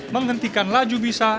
menghentikan laju bisa